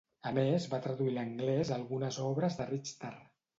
A més, va traduir a l'anglès algunes obres de Richter.